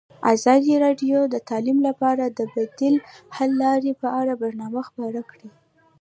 ازادي راډیو د تعلیم لپاره د بدیل حل لارې په اړه برنامه خپاره کړې.